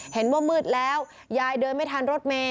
เห็นว่ามืดแล้วยายเดินไม่ทันรถเมย